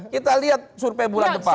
kita lihat survei bulan depan